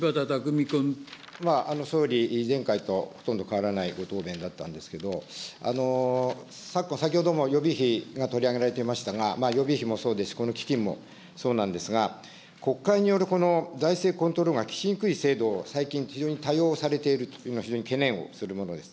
総理、前回とほとんど変わらないご答弁だったんですけど、先ほども予備費が取り上げられていましたが、予備費もそうですし、この基金もそうなんですが、国会によるこの財政コントロールが利きにくい制度、最近、非常に多用されていると、懸念をするものです。